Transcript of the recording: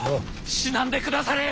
死なんでくだされや！